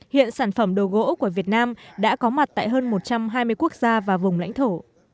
hiện sản phẩm đồ gỗ của việt nam đã có mặt tại hơn một trăm hai mươi quốc gia và vùng lãnh thổ